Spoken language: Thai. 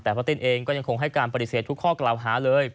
แต่พ่อติ้นเองก็ยังคงให้การปฏิเสธทุกข้อกล่าวหาเลย